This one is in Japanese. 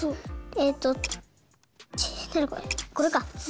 えっとちこれか。